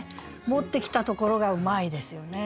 持ってきたところがうまいですよね。